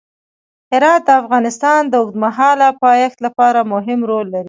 هرات د افغانستان د اوږدمهاله پایښت لپاره مهم رول لري.